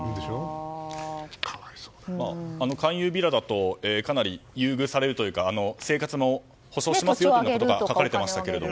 勧誘ビラだとかなり優遇されるというか生活の保証をしますよというようなことが書かれていましたけど。